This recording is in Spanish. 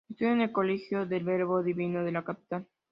Estudió en el Colegio del Verbo Divino de la capital.